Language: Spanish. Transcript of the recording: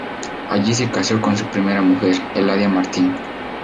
Allí se casó con su primera mujer, Eladia Martín.